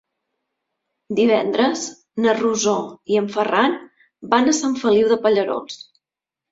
Divendres na Rosó i en Ferran van a Sant Feliu de Pallerols.